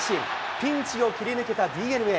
ピンチを切り抜けたＤｅＮＡ。